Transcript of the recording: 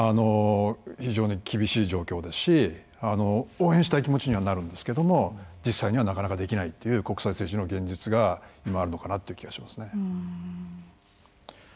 非常に厳しい状況ですし応援したい気持ちにはなるんですけど実際にはなかなかできないという国際政治の現実が今、あるのかなという気がしますね。